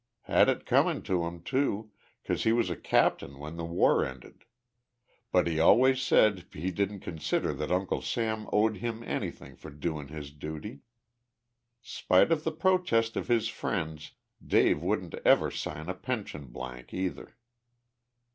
Had it comin' to him, too, 'cause he was a captain when th' war ended. But he always said he didn't consider that Uncle Sam owed him anything for doin' his duty. Spite of th' protests of his friends, Dave wouldn't ever sign a pension blank, either."